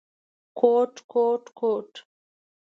_کوټ، کوټ ، کوټ…